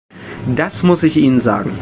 Das muss ich Ihnen sagen.